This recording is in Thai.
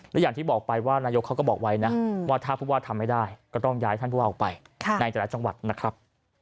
และอย่างที่บอกไปว่านายกเขาก็บอกไว้นะว่าถ้าผู้ว่าทำไม่ได้ก็ต้องย้ายท่านผู้ว่าออกไปในแต่ละจังหวัดนะครับ